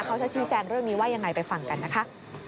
เขาจะชี้แจงเรื่องนี้ว่ายังไงไปฟังกันนะคะ